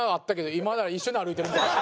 今は一緒に歩いてるみたいな。